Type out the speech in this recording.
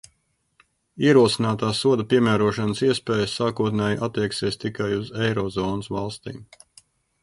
Ierosinātās soda piemērošanas iespējas sākotnēji attieksies tikai uz euro zonas valstīm.